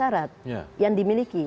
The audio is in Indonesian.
ada empat syarat yang dimiliki